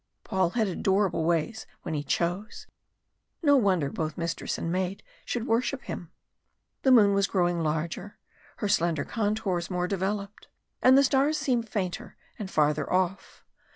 Paul had adorable ways when he chose. No wonder both mistress and maid should worship him. The moon was growing larger, her slender contours more developed, and the stars seemed fainter and farther off.